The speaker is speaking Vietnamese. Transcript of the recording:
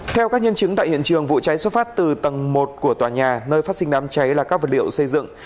theo các nhân chứng tại hiện trường vụ cháy xuất phát từ tầng một của tòa nhà nơi phát sinh đám cháy là các vật liệu xây dựng